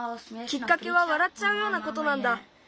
きっかけはわらっちゃうようなことなんだ。